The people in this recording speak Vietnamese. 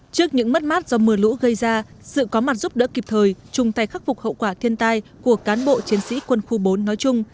trước những mất mát do mưa lũ gây ra sự có mặt giúp đỡ kịp thời chung tay khắc phục hậu quả thiên tai của cán bộ chiến sĩ quân khu bốn nói chung